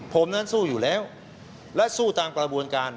ผมนั้นสู้อยู่แล้วและสู้ตามกระบวนการ